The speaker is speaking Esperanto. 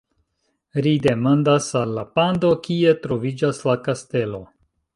Ri demandas al la pando: "Kie troviĝas la kastelo?"